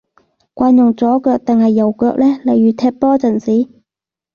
慣用左腳定係右腳呢？例如踢波陣時